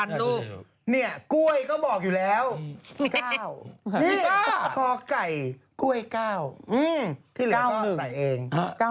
เนี่ยกล้วยก็บอกอยู่แล้ว๙นี่ขอก่ายกล้วย๙ที่เหลือก็ใส่เอง